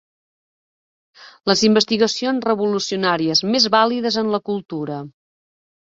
Les investigacions revolucionàries més vàlides en la cultura.